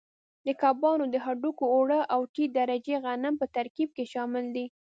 د کبانو د هډوکو اوړه او ټیټ درجې غنم په ترکیب کې شامل دي.